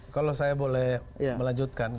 kalau saya boleh melanjutkan